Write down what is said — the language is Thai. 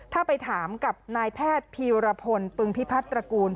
ถ้าไปถามกับนายแพทย์พีรพลปึงพิพัฒน์ตระกูล